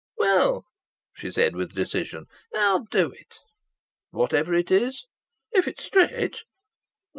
"Well," she said with decision. "I'll do it." "Whatever it is?" "If it's straight."